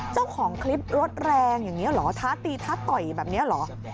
เจ้าของคลิปรถแรงอย่างนี้เหรอท้าตีท้าต่อยแบบนี้เหรอ